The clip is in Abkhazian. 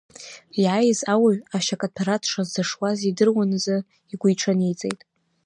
Иааиз ауаҩ ашьакаҭәара дшазӡышуаз идыруан азы, игәиҽаниҵеит.